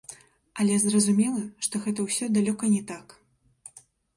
Але зразумела, што гэта ўсё далёка не так.